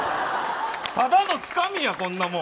ただのつかみや、こんなもん。